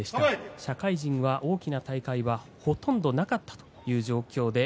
社会人、大きな大会がほとんどなかったという状況です。